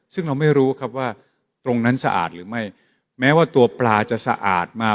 ซึ่งเราไม่รู้ครับว่าตรงนั้นสะอาดหรือไม่แม้ว่าตัวปลาจะสะอาดมา